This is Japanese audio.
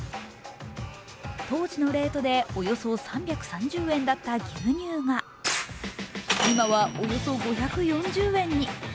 当時のレートでおよそ３３０円だった牛乳が、今は、およそ５４０円に。